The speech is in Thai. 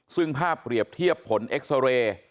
ซึ่งภาพเปรียบเทียบผลเอ็กซาเรย์